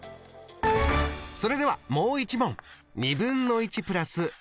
それではもう一問。